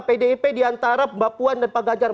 pdip diantara mbak puan dan pak ganjar